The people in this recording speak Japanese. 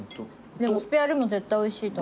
でもスペアリブも絶対おいしいと思う。